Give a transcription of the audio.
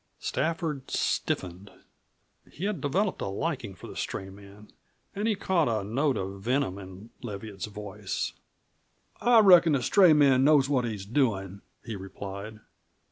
Stafford stiffened. He had developed a liking for the stray man and he caught a note of venom in Leviatt's voice. "I reckon the stray man knows what he's doin'," he replied.